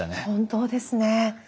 本当ですね。